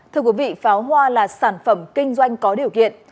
thưa quý vị pháo hoa là sản phẩm kinh doanh có điều kiện